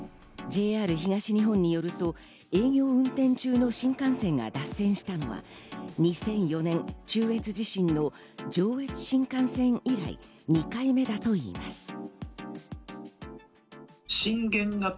ＪＲ東日本によると、営業運転中の新幹線が脱線したのは２００４年、中越地震の上越新幹線以来２回目だといいます。